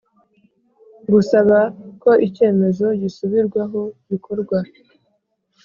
Gusaba ko icyemezo gisubirwaho bikorwa